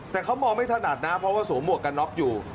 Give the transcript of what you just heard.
แต่เขามองไม่ถนัดนะเพราะว่าสวมหวกกันน็อกอยู่